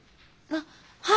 はい。